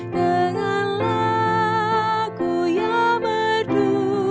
dengan lagu yang merdu